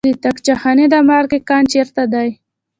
د طاقچه خانې د مالګې کان چیرته دی؟